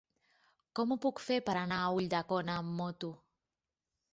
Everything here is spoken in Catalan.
Com ho puc fer per anar a Ulldecona amb moto?